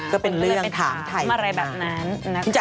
ก็เป็นเรื่องถามไทนี่นะ